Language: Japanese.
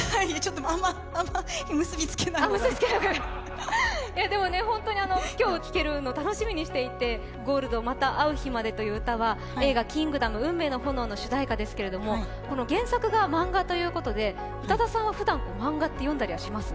あまり結びつけない方が今日聴けるのを楽しみにしていて「Ｇｏｌｄまた逢う日まで」という歌は映画「キングダム運命の炎」の主題歌なんですけど原作が漫画ということで宇多田さんはふだん漫画って読んだりします？